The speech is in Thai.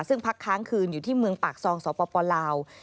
ซึ่งพักค้างคืนอยู่ที่เมืองปากซองสปลาว